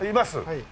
はい。